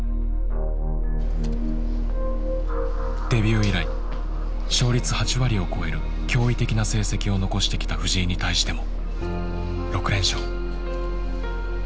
デビュー以来勝率８割を超える驚異的な成績を残してきた藤井に対しても６連勝。